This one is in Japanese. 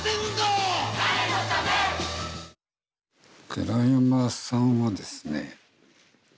寺山さんはですね